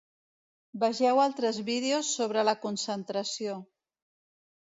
Vegeu altres vídeos sobre la concentració.